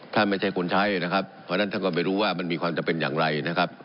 ไม่ใช่คนใช้นะครับเพราะฉะนั้นท่านก็ไม่รู้ว่ามันมีความจำเป็นอย่างไรนะครับ